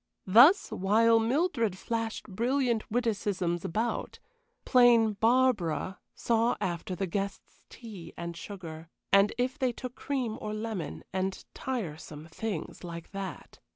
Thus, while Mildred flashed brilliant witticisms about, plain Barbara saw after the guests' tea and sugar, and if they took cream or lemon, and tiresome things like that.